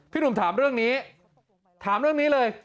หนุ่มถามเรื่องนี้ถามเรื่องนี้เลย